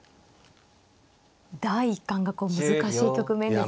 第一感がこう難しい局面ですよね。